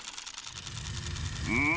うん！